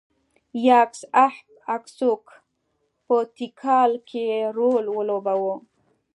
یاکس اهب اکسوک په تیکال کې رول ولوباوه.